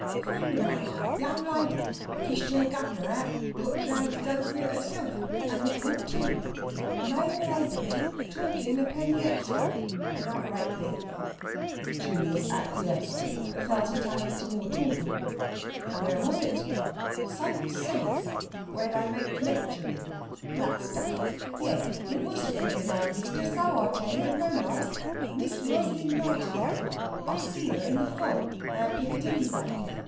"Friend of mine young lady fished her governor out got drownded over it herself, and was brought to. 'Mail' a 'apeny; torkin' a penny extra! Another 'apeny." Julius acquiesced, but felt entitled to more talking. "Where was it?" "St. Senna's, where they make the lectury black stuff.... Yes, it was a friend o' mine, mister, so I tell you, and no lies! Miss Rosalind Nightingale. I see her in the fog round Piccadilly way....